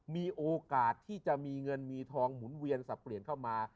มีโอกาสที่จะมีเงินมีทองหมุนเวียนสับเปลี่ยนเข้ามา